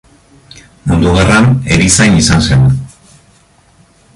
Mundu Gerran, erizain izan zen.